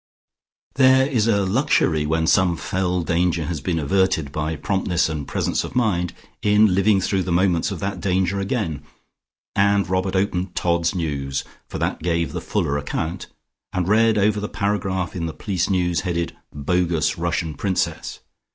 There is a luxury, when some fell danger has been averted by promptness and presence of mind, in living through the moments of that danger again, and Robert opened "Todd's News," for that gave the fuller account, and read over the paragraph in the police news headed "Bogus Russian Princess."